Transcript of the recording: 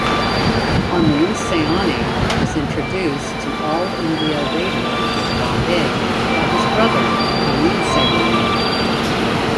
Ameen Sayani was introduced to All India Radio, Bombay, by his brother Hamid Sayani.